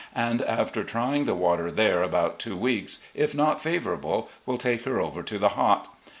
and after trjdng the water there about two weeks, if not favourable, will take her over to the Hot.